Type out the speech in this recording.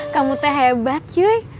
kamu teh hebat cuy